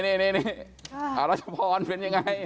นี่ราชพรเป็นอย่างไร